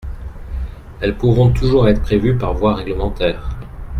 Elles pourront toujours être prévues par voie réglementaire.